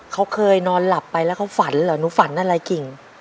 เขาเคยนอนหลับไปแล้วเขาฝันเหรอหนูฝันอะไรกิ่ง